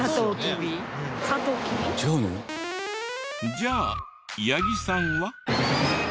じゃあ八木さんは？